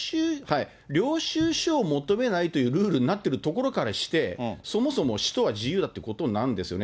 領収書を求めないというルールになってるところからして、そもそも使途は自由だということなんですよね。